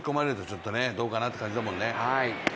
ちょっとどうかなって感じだもんね。